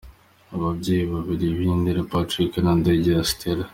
Ababyeyi be babiri ni Ndegeya Patrick na Ndegeya Stella.